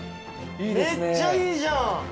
めっちゃいいじゃん！